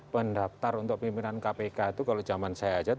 pendaftar untuk pimpinan kpk itu kalau zaman saya saja tujuh ratus lima puluh